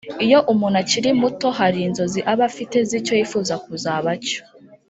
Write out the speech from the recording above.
Iyo umuntu akiri muto hari inzozi aba afite z’icyo yifuza kuzaba cyo